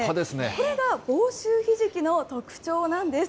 これが房州ひじきの特徴なんです。